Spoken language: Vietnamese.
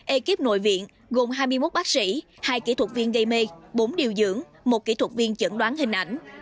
ekip nội viện gồm hai mươi một bác sĩ hai kỹ thuật viên gây mê bốn điều dưỡng một kỹ thuật viên chẩn đoán hình ảnh